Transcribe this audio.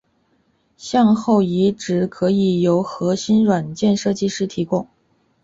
向后移植可以由核心软件设计师提供。